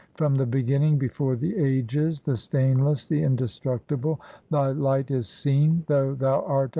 From the beginning, before the ages, the stainless, the indestructible, Thy light is seen, though Thou art unseen.